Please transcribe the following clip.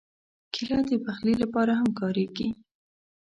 کېله د پخلي لپاره هم کارېږي.